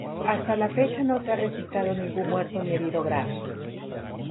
Hasta la fecha no se ha registrado ningún muerto ni herido grave.